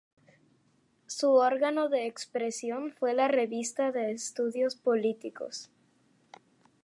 Su órgano de expresión fue la "Revista de Estudios Políticos".